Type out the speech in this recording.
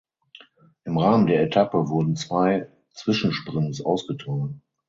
Im Rahmen der Etappe wurden zwei Zwischensprints ausgetragen.